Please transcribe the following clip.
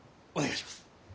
お願いします。